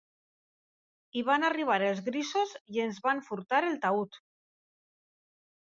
I van arribar els grisos i ens van furtar el taüt